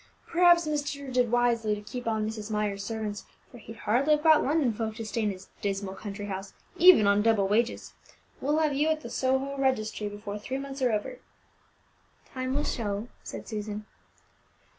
"P'r'aps master did wisely to keep on Mrs. Myers' servants, for he'd hardly have got London folk to stay in his dismal country house, even on double wages. We'll have you at the Soho registry before three months are over." "Time will show," said Susan.